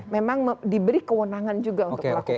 memang diberi kewenangan juga untuk melakukan